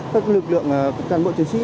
các lực lượng các cán bộ chiến sĩ